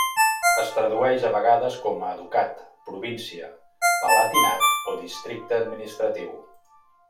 Es tradueix a vegades com a ducat, província, palatinat o districte administratiu.